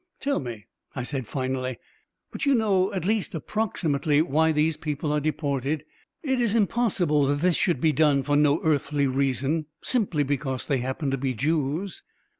"Tell me," I said finally, "but you know, at least approximately, why these people are deported? It is impossible that this should be done for no earthly reason, simply because they happen to be Jews...."